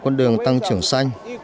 con đường tăng trưởng xanh